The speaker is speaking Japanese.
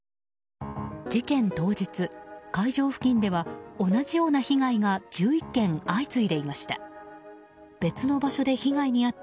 事件当日会場付近では同じような被害が１１件相次いでいました。